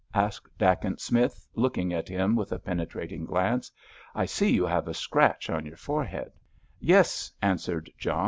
asked Dacent Smith, looking at him with a penetrating glance. "I see you have a scratch on your forehead." "Yes," answered John.